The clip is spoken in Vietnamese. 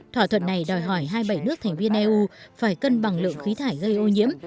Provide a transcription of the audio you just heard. thỏa thuận này đòi hỏi hai mươi bảy nước thành viên eu phải cân bằng lượng khí thải gây ô nhiễm